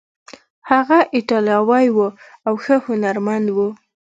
هغه ایټالوی و او ښه هنرمند و.